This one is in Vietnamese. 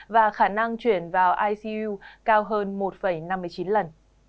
và khả năng chuyển vào icu cao hơn một năm mươi chín lần